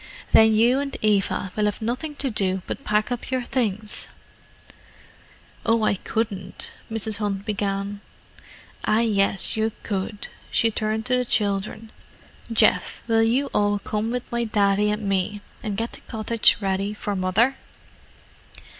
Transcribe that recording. Then you and Eva will have nothing to do but pack up your things." "Oh, I couldn't——" Mrs. Hunt began. "Ah yes, you could." She turned to the children. "Geoff, will you all come with my Daddy and me and get the cottage ready for Mother?"